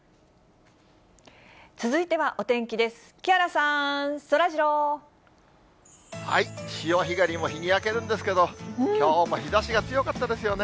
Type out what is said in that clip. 取って楽しい、食べておいし潮干狩りも日に焼けるんですけど、きょうも日ざしが強かったですよね。